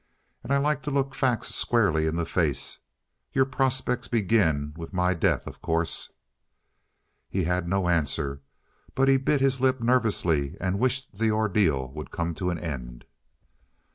And I like to look facts squarely in the face. Your prospects begin with my death, of course." He had no answer, but bit his lip nervously and wished the ordeal would come to an end.